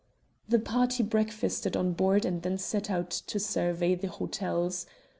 The party breakfasted on board and then set out to survey the hotels.